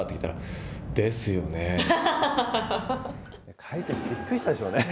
甲斐選手、びっくりしたでしょうね。